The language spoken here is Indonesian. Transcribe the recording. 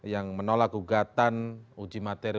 yang menolak gugatan uji materi